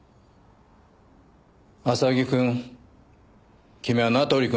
浅木くん君は名取くんとは違う。